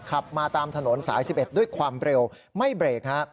ขับมาตามถนนสาย๑๑ด้วยความเร็วไม่เบรกฮะ